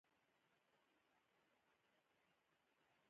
دریشي اکثره له درېو برخو جوړه وي.